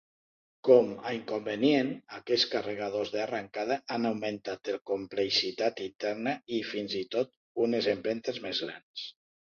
Com a inconvenient, aquests carregadors d'arrencada han augmentat la complexitat interna, i fins i tot, unes empremtes més grans.